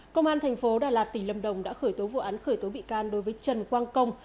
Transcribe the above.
công an thành phố đà lạt tỉnh lâm đồng đã khởi tố vụ án khởi tố bị can đối với trần quang công